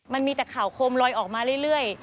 มันมีแต่ข่าวโคมลอยออกมาเรื่อย